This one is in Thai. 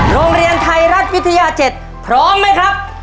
โรงเรียนไทยรัฐวิทยา๗พร้อมไหมครับ